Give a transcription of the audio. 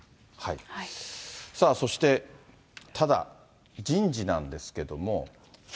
そして、ただ人事なんですけれども。